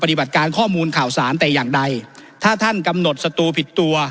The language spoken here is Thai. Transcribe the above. การข้อมูลข่าวสารแต่อย่างใดถ้าท่านกำหนดสตูผิดตัว